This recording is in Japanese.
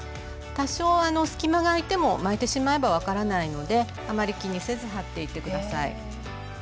多少隙間が空いても巻いてしまえば分からないのであまり気にせず貼っていって下さい。